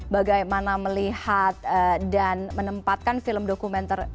bagaimana melihat dan menempatkan film dokumenter